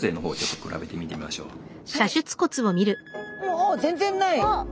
お全然ない！